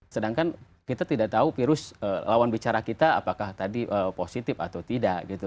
sedangkan kita tidak tahu virus lawan bicara kita apakah tadi positif atau tidak gitu